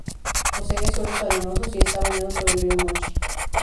Posee suelos arenosos y está bañado por el río Moche.